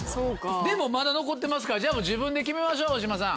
でもまだ残ってますからじゃあ自分で決めましょう大島さん。